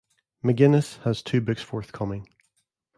McGinnis has two books forthcoming.